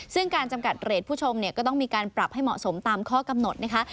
ซึ่งการจำกัดเรทผู้ชมเนี่ยก็ต้องมีการปรับให้เหมาะสมตามข้อกำหนดนะคะ